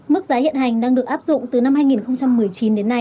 mức giá hiện hành đang được áp dụng từ năm hai nghìn một mươi chín đến nay